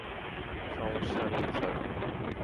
সমস্যা নেই, স্যার।